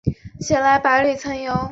母臧氏。